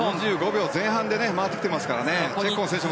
２５秒前半で回ってきてますからね。